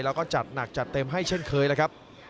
แล้วก็จัดหนักจัดเต็มให้เช่นเคยนะครับ